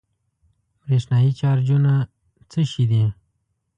برېښنايي چارجونه څه شی دي؟